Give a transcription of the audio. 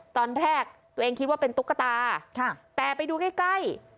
ตอนแรกตัวเองคิดว่าเป็นตุ๊กตาแต่ไปดูใกล้ใกล้